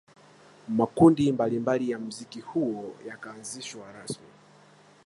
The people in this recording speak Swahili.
Makundi mbalimbali ya mziki huo yakaanzishwa rasmi